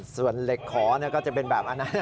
ส่วนเหล็กขอก็จะเป็นแบบอันนั้น